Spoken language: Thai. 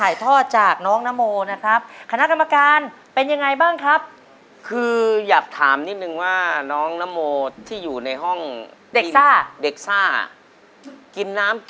อยากคิดป้องในตัวเกินตัวจริงอยากต่อเกินตัวมากมาก